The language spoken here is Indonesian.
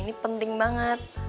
ini penting banget